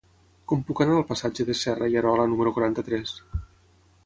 Com puc anar al passatge de Serra i Arola número quaranta-tres?